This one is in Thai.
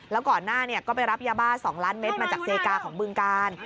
แล้วก่อนหน้าเนี่ยก็ไปรับยาบ้าสองล้านเมตรมาจากเซกาของเบื้องการ